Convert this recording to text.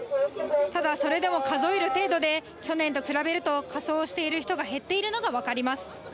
ただ、それでも数える程度で、去年と比べると仮装している人が減っているのが分かります。